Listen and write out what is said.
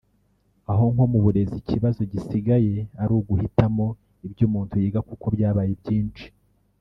aho nko mu burezi ikibazo gisigaye ari uguhitamo ibyo umuntu yiga kuko byabaye byinshi